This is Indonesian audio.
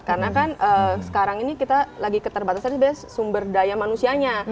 karena kan sekarang ini kita lagi keterbatasan sumber daya manusianya